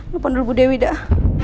lepon dulu bu dewi dah